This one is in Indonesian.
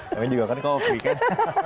namanya juga kan kopi kan